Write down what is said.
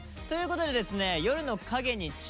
ということでですねイエーイ！